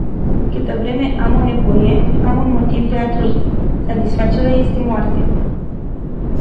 Câtă vreme am o nevoie, am un motiv de a trăi. Satisfacerea este moarte.